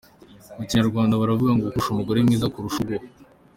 Mu Kinyarwanda baravuga ngo “Ukurusha umugore mwiza aba akurusha urugo.